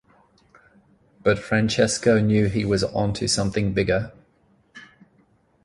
But Francesco knew he was onto something bigger.